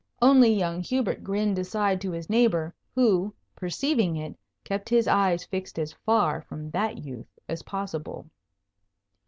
Only young Hubert grinned aside to his neighbour, who, perceiving it, kept his eyes fixed as far from that youth as possible.